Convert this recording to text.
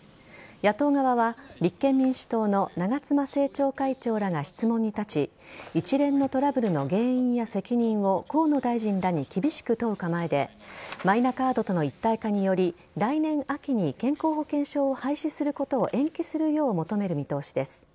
野党側は立憲民主党の長妻政調会長らが質問に立ち一連のトラブルの原因や責任を河野大臣らに厳しく問う構えでマイナカードとの一体化により来年秋に健康保険証を廃止することを延期するよう求める見通しです。